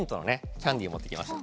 キャンディー持ってきました